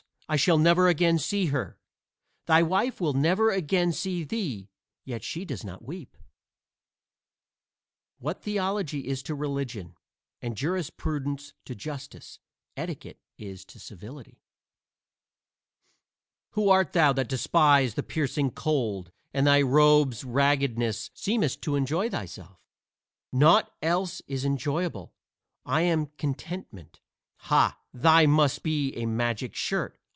I shall never again see her!" "Thy wife will never again see thee, yet she does not weep." What theology is to religion and jurisprudence to justice, etiquette is to civility. "Who art thou that despite the piercing cold and thy robe's raggedness seemest to enjoy thyself?" "Naught else is enjoyable I am Contentment." "Ha! thine must be a magic shirt.